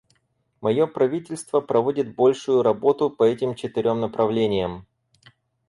Мое правительство проводит большую работу по этим четырем направлениям.